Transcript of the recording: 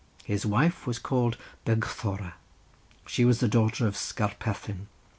His wife was called Bergthora; she was the daughter of Skarphethin.